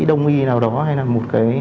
đồng y nào đó hay là một cái